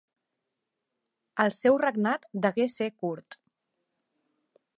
El seu regnat degué ser curt.